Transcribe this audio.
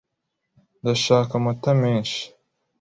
Ndashaka amata menshi.